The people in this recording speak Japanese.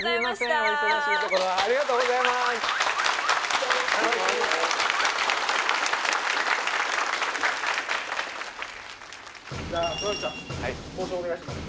お忙しいところありがとうございます妻夫木さん交渉お願いします